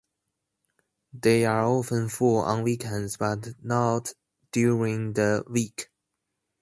They are often full on weekends, But not during the week.